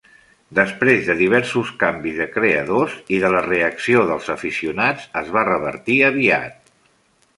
Després de diversos canvis de creadors i de la reacció dels aficionats, es va revertir aviat.